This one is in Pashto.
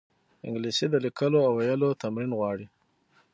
انګلیسي د لیکلو او ویلو تمرین غواړي